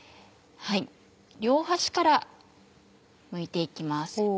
両端からむいて行きます。